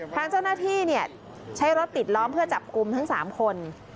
ทางเจ้าหน้าที่ใช้รถปิดล้อมเพื่อจับกลุ่มทั้ง๓คน